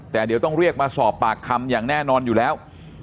แต่เดี๋ยวต้องเรียกมาสอบปากคำอย่างแน่นอนอยู่แล้ว